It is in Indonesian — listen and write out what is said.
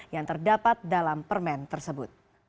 yang terdapat dalam permen tersebut